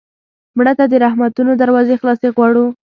مړه ته د رحمتونو دروازې خلاصې غواړو